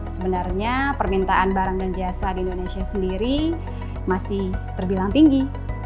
sebenarnya permintaan barang dan jasa di indonesia sendiri masih terbilang tinggi